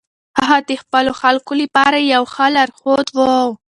هغه د خپلو خلکو لپاره یو ښه لارښود و.